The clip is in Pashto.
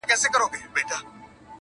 جواب دي راکړ خپل طالع مي ژړوینه-